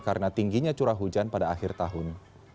karena tingginya curah hujan pada akhir tahun